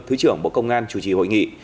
thứ trưởng bộ công an chủ trì hội nghị